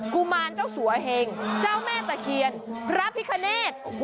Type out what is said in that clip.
กุมารเจ้าสัวเหงเจ้าแม่ตะเคียนพระพิคเนธ